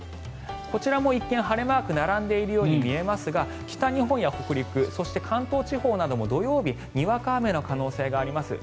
こちらも一見、晴れマークが並んでいるように見えますが北日本や北陸、そして関東地方なども土曜日にわか雨の可能性があります。